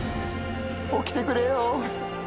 起きてくれよぉ。